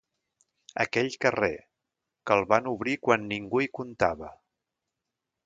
Aquell carrer, que el van obrir quan ningú hi comptava